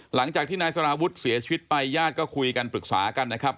หลังจากที่นายสารวุฒิเสียชีวิตไปญาติก็คุยกันปรึกษากันนะครับ